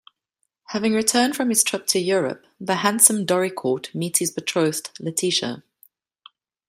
Having returned from his trip to Europe, the handsome Doricourt meets his betrothed, Letitia.